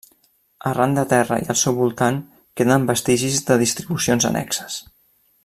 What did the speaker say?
Arran de terra i al seu voltant queden vestigis de distribucions annexes.